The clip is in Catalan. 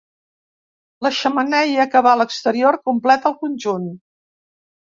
La xemeneia, que va a l'exterior, completa el conjunt.